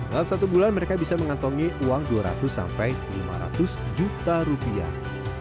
dalam satu bulan mereka bisa mengantongi uang dua ratus sampai lima ratus juta rupiah